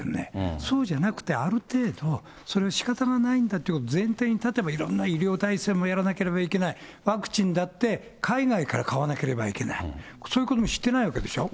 そうじゃなくて、ある程度、それはしかたがないんだということを、前提に立てば、いろんな医療体制もやらなくてはいけない、ワクチンだって、海外から買わなければいけない、そういうこともしてないわけでしょ。